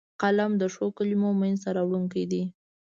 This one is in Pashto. قلم د ښو کلمو منځ ته راوړونکی دی